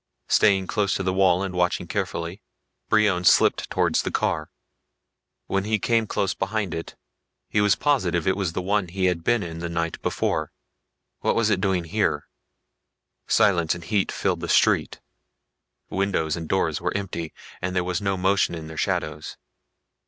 Staying close to the wall and watching carefully, Brion slipped towards the car. When he came close behind it he was positive it was the one he had been in the night before. What was it doing here? Silence and heat filled the street. Windows and doors were empty, and there was no motion in their shadows.